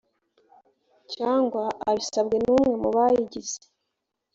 cyangwa abisabwe n umwe mu bayigize